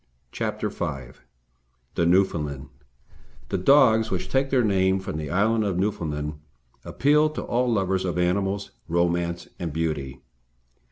CHAPTER V THE NEWFOUNDLAND The dogs which take their name from the island of Newfoundland appeal to all lovers of animals, romance, and beauty.